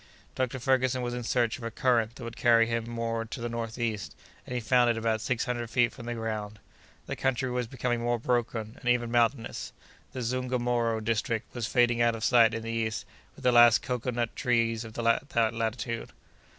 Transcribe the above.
Dr. Ferguson was in search of a current that would carry him more to the northeast, and he found it about six hundred feet from the ground. The country was becoming more broken, and even mountainous. The Zungomoro district was fading out of sight in the east with the last cocoa nut trees of that latitude.